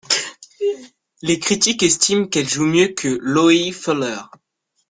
Les critiques estiment qu'elle joue mieux que Loïe Fuller.